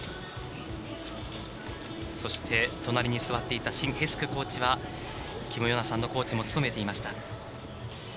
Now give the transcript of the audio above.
そして、隣に座っていたシン・ヘスクコーチはキム・ヨナさんのコーチも務めていました。